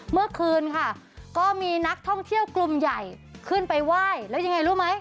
เมื่อคืนค่ะก็มีนักท่องเที่ยวกลุ่มใหญ่ขึ้นไปไหว้แล้วยังไงรู้ไหม